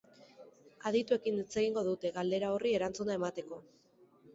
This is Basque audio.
Adituekin hitz egingo dute, galdera horri erantzuna emateko.